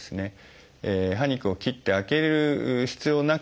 歯肉を切って開ける必要なくですね